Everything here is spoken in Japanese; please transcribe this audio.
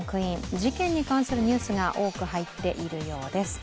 事件に関するニュースが多く入っているようです。